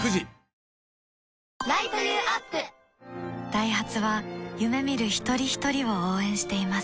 ダイハツは夢見る一人ひとりを応援しています